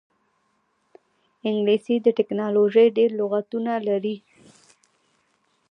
انګلیسي د ټیکنالوژۍ ډېری لغتونه لري